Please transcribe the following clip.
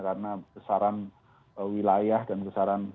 karena besaran wilayah dan besaran